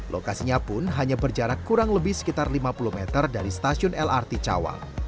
lokasinya pun hanya berjarak kurang lebih sekitar lima puluh meter dari stasiun lrt cawang